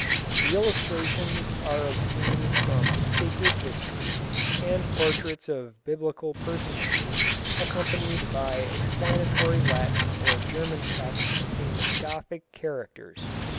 The illustrations are of scenes from sacred history, and portraits of Biblical personages, accompanied by explanatory Latin or German texts in Gothic characters.